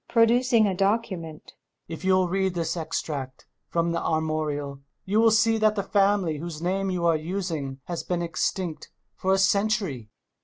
[Producing a document] If you'll read this ex tract from the armorial, you will see that the family whose name you are using has been extinct for a century.